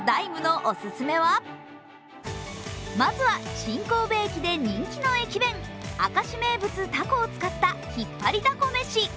まずは新神戸駅で人気の駅弁、明石名物、たこを使ったひっぱりだこ飯。